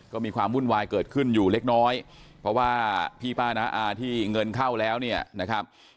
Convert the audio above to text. ก็มีความวุ่นวายเกิดขึ้นอยู่เล็กน้อยเพราะว่าพี่ป้าน้าอาที่เงินเข้าแล้วเนี่ยนะครับ